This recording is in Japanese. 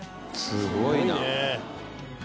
すごいね。